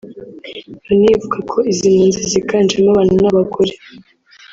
Loni ivuga ko izimpunzi ziganje mo abana n’abagore